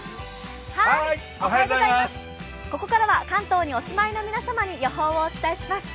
ここからは関東にお住まいの皆様に予報をお伝えします。